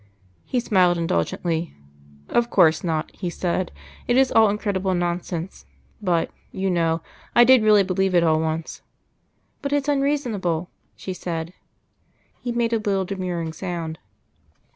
He smiled indulgently. "Of course not," he said; "it is all incredible nonsense. But, you know, I did really believe it all once." "But it's unreasonable," she said. He made a little demurring sound.